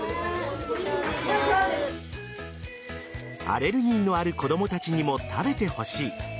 アレルギーのある子供たちにも食べてほしい。